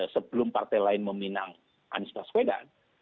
sebelum partai lain meminang anies baswedan